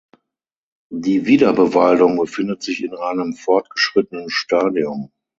Die Wiederbewaldung befindet sich in einem fortgeschrittenen Stadium.